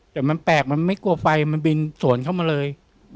แต่มันแปลกมันไม่กลัวไฟมันบินสวนเข้ามาเลย